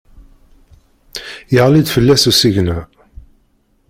Yeɣli-d fell-as usigna.